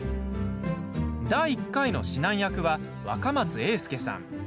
第１回の指南役は若松英輔さん。